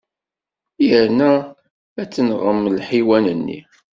Yerna ad tenɣem lḥiwan-nni.